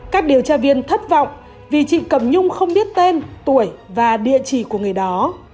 các điều tra viên thất vọng vì chị cầm nhung không biết tên tuổi và địa chỉ của người đó